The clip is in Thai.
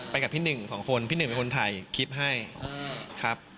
กับพี่หนึ่งสองคนพี่หนึ่งเป็นคนถ่ายคลิปให้ครับ